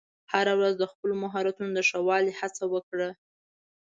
هره ورځ د خپلو مهارتونو د ښه والي هڅه وکړه.